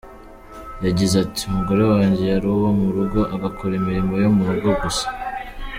Yagize ati “Umugore wanjye yari uwo mu rugo agakora imirimo yo mu rugo gusa.